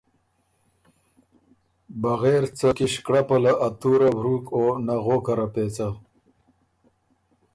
بغېر بې څه کِش کړپه له ا تُوره ورُوک او نغوکه ره پېڅه۔